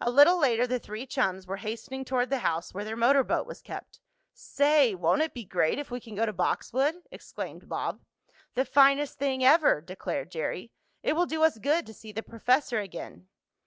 A little later the three chums were hastening toward the house where their motor boat was kept. "Say! won't it be great if we can go to Boxwood?" exclaimed Bob. "The finest thing ever!" declared Jerry. "It will do us good to see the professor again."